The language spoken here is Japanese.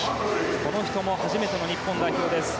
この人も初めての日本代表です。